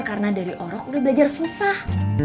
karena dari orok udah belajar susah